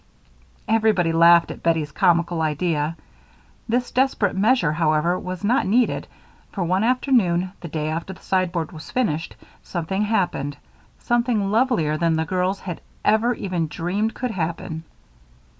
'" Everybody laughed at Bettie's comical idea. This desperate measure, however, was not needed, for one afternoon, the day after the sideboard was finished, something happened, something lovelier than the girls had ever even dreamed could happen.